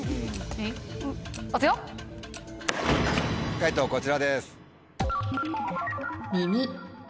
解答こちらです。